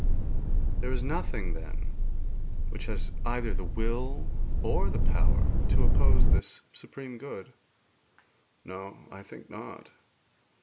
'There is nothing, then, which has either the will or the power to oppose this supreme good.' 'No; I think not.'